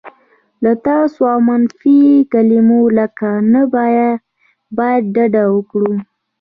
له "تاسو" او منفي کلیمو لکه "نه باید" ډډه وکړئ.